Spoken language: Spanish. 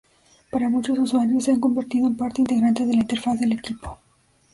Para muchos usuarios, se han convertido en parte integrante de la interfaz del equipo.